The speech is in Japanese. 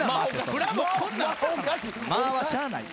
間はしゃあない。